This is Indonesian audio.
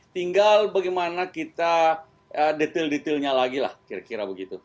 tinggal bagaimana kita detail detailnya lagi lah kira kira begitu